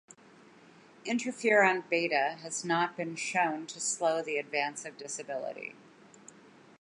Interferon beta has not been shown to slow the advance of disability.